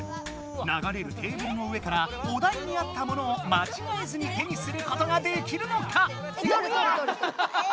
ながれるテーブルの上からお題にあったものをまちがえずに手にすることができるのか！